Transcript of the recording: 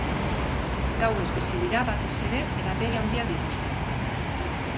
Gauez bizi dira batez ere eta begi handiak dituzte.